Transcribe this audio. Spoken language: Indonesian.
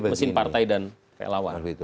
mesin partai dan relawan